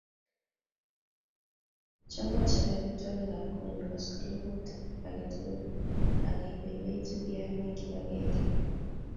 Cham achope amitwogik ap konyun koskoling'ut ake tukul akepoipoitu yekiame eng' kipakenge